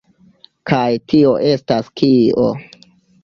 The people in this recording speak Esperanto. Kaj tio estas kio?